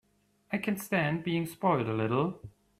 I can stand being spoiled a little.